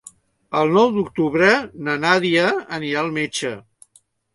El nou d'octubre na Nàdia anirà al metge.